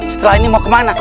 setelah ini mau kemana